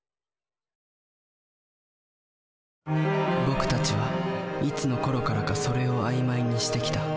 僕たちはいつのころからか「それ」を曖昧にしてきた。